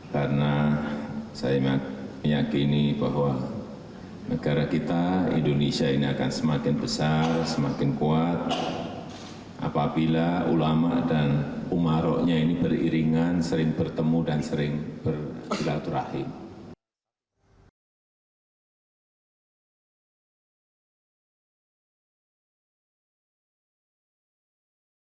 karena saya meyakini bahwa negara kita indonesia ini akan semakin besar semakin kuat apabila ulama dan umaroknya ini beriringan sering bertemu dan sering bersilaturahim